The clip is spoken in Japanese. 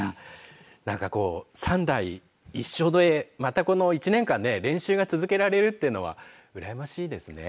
３代一緒でまたこの１年間、練習が続けられるというのはうらやましいですね。